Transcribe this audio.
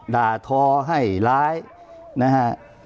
ด่าทอให้ร้ายนะฮะ